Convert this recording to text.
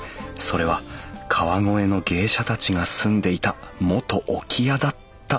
それは川越の芸者たちが住んでいた元置き屋だった」と。